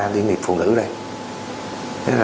đi nghiệp phụ nữ đây